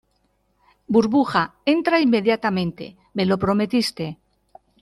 burbuja, entra inmediatamente. me lo prometiste .